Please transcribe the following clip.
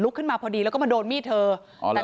ลุกขึ้นมาพอดีแล้วก็มาโดนมีดเธออ๋อเหรอ